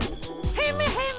ヘムヘム！